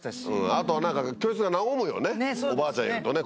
あと何か教室が和むよねおばあちゃんいるとね